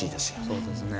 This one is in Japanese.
そうですね。